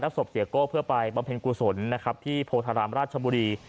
ศพเสียโก้เพื่อไปบำเพ็ญกุศลนะครับที่โพธารามราชบุรี